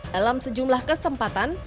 dalam sejumlah kesempatan